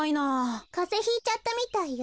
カゼひいちゃったみたいよ。